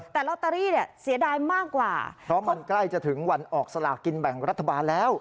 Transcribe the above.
แต่ลอตเตอรี่เนี่ยเสียดายมากกว่าเพราะมันใกล้จะถึงวันออกสลากกินแบ่งรัฐบาลแล้ว